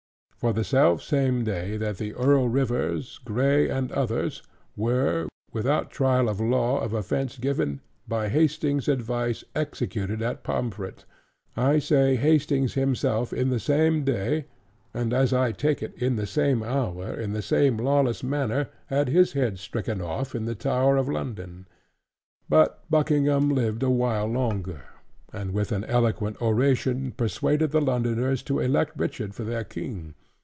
For the selfsame day that the Earl Rivers, Grey, and others, were (without trial of law, of offence given) by Hastings' advice executed at Pomfret: I say Hastings himself in the same day, and (as I take it) in the same hour, in the same lawless manner had his head stricken off in the Tower of London. But Buckingham lived a while longer; and with an eloquent oration persuaded the Londoners to elect Richard for their king.